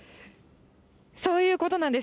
そういうことなんです。